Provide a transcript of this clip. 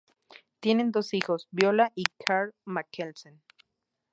Tienen dos hijos: Viola y Carl Mikkelsen.